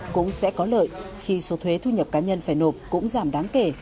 cũng sẽ có lợi khi số thuế thu nhập cá nhân phải nộp cũng giảm đáng kể